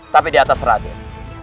tapi diatas raden